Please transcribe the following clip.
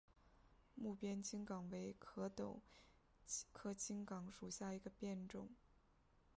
睦边青冈为壳斗科青冈属下的一个变种。